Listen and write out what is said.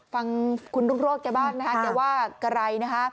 ฟังคุณรุงโรดแกบ้างแกว่าไกร